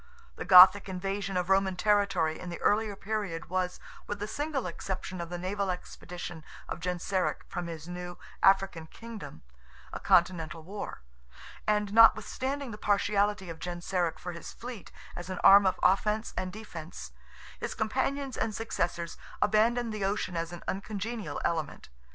The Gothic invasion of Roman territory in the earlier period was, with the single exception of the naval expeditions of Genseric from his new African Kingdom, a continental war; and notwithstanding the partiality of Genseric for his fleet, as an arm of offence and defence, his companions and successors abandoned the ocean as an uncongenial element.